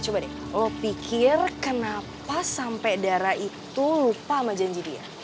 coba deh lo pikir kenapa sampai darah itu lupa sama janji dia